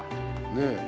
ねえ。